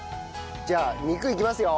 じゃあ肉いきますよ。